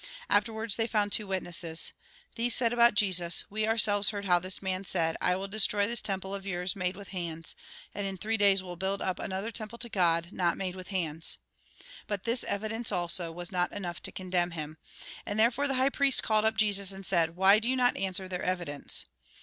Afterwards they found two witnesses. These said about Jesus :" We ourselves heard how this man said :' I will destroy this temple of yours made with hands, and in three days will build up another temple to God, not made with hands.' " But this evidence, also, was not enough to con demn him. And therefore the high priest called up Jesus, and said :" Why do you not answer their evidence